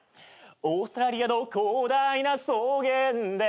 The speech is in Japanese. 「オーストラリアの広大な草原で」